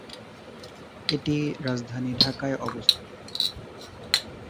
এটি রাজধানী ঢাকায় অবস্থিত।